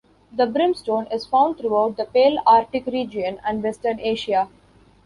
The brimstone is found throughout the Palearctic region and Western Asia.